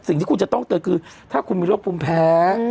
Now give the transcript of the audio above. สิ่งที่คุณจะต้องเตือนคือถ้าคุณมีโรคภูมิแพ้